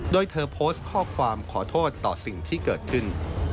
โดยเธอโพสต์ข้อความขอโทษต่อสิ่งที่เกิดขึ้น